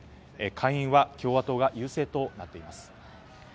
下院は共和党が優勢となっています。